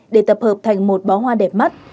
để tập hợp thành một bó hoa đẹp mắt